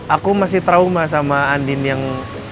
aku masih trauma sama andin yang